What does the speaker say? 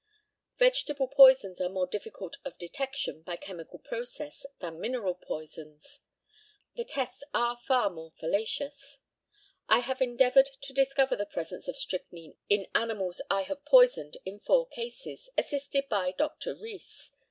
Vegetable poisons are more difficult of detection, by chemical process, than mineral poisons; the tests are far more fallacious. I have endeavoured to discover the presence of strychnine in animals I have poisoned in four cases, assisted by Dr. Rees.